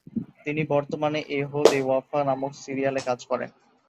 তিনি বর্তমানে "এহদ-এ-ওয়াফা" নামক সিরিয়ালে কাজ করছেন।